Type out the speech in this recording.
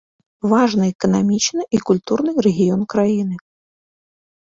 Важны эканамічны і культурны рэгіён краіны.